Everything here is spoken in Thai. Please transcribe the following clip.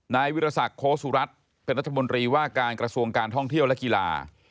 นายวิรสักโคสุรัตน์เป็นรัฐมนตรีว่าการกระทรวงการท่องเที่ยวและกีฬา